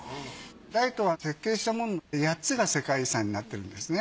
ライトは設計したもので８つが世界遺産になってるんですね。